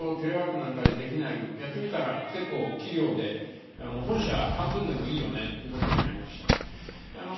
何かでできないやってみたら結構企業で本社半分でもいいよねっていうことになりました